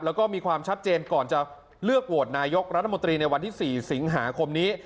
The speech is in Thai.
แล้วก็มีความชัดเจนก่อนจะเลือกโหวตนายกรัฐมนตรีในวันที่๔สิงหาคมนี้